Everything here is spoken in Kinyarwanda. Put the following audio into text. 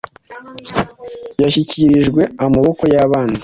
Yashyikirijwe amaboko yabanzi